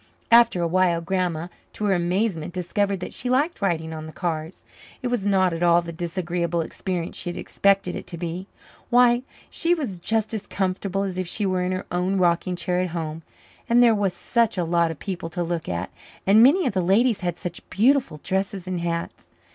After a while Grandma, to her amazement, discovered that she liked riding on the cars. It was not at all the disagreeable experience she had expected it to be. Why, she was just as comfortable as if she were in her own rocking chair at home! And there was such a lot of people to look at, and many of the ladies had such beautiful dresses and hats.